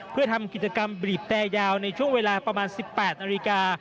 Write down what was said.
เพื่อทำกิจกรรมบีบแต่ยาวในช่วงเวลาประมาณ๑๘นาฬิกา